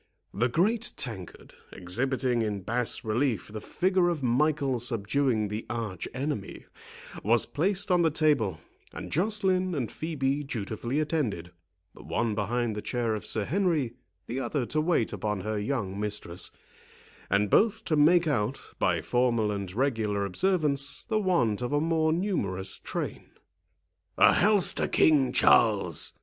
The great tankard, exhibiting in bas relief the figure of Michael subduing the Arch enemy, was placed on the table, and Joceline and Phœbe dutifully attended; the one behind the chair of Sir Henry, the other to wait upon her young mistress, and both to make out, by formal and regular observance, the want of a more numerous train. "A health to King Charles!"